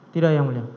tidak yang mulia